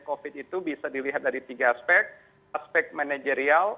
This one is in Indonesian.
covid itu bisa dilihat dari tiga aspek aspek manajerial